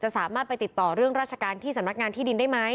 สามารถไปติดต่อเรื่องราชการที่สำนักงานที่ดินได้ไหม